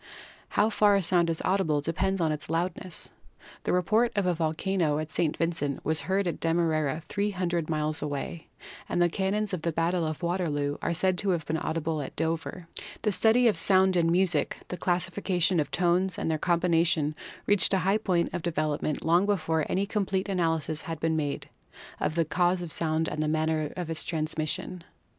How far a sound is audible depends upon its loudness. The report of a volcano at St. Vincent was heard at Demerara, 300 miles away, and the cannons of the battle of Waterloo are said to have been audible at Dover. The study of sound in music, the classification of tones and their combination reached a high point of development long before any complete analysis had been made of the cause of sound and the manner of its transmission.